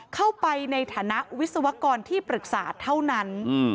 เข้าไปในฐานะวิศวกรที่ปรึกษาเท่านั้น